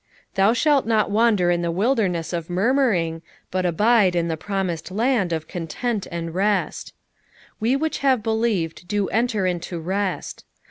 Thou shalt not wander in the wilderness of murmuring, but abide in the promised [sod of content and rest. "We which have belitved do enter into rest."